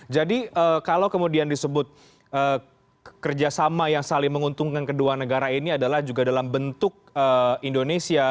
jadi kalau kemudian disebut kerjasama yang saling menguntungkan kedua negara ini adalah juga dalam bentuk indonesia